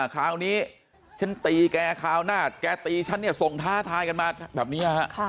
คราวนี้ฉันตีแกคราวหน้าแกตีฉันเนี่ยส่งท้าทายกันมาแบบนี้